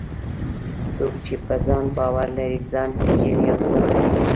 څوک چې په ځان باور لري، ځان پېژني او ځان مني.